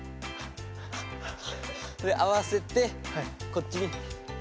で合わせてこっちに。